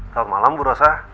selamat malam ibu rosa